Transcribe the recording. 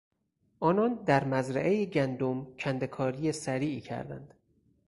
آنان در مزرعهی گندم کنده کاری سریعی کردند.